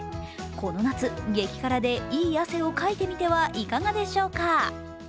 この夏、激辛でいい汗をかいてみてはいかがでしょうか。